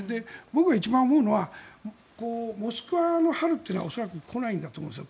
僕が一番思うのはモスクワの春というのは来ないと思うんです。